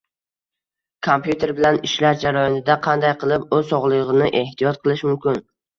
Kompyuter bilan ishlash jarayonida qanday qilib o‘z sog‘lig‘ini ehtiyot qilish mumkin.